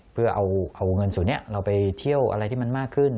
เพื่อเอาเงินส่วนนี้เราไปเที่ยวอะไรที่มันมากขึ้น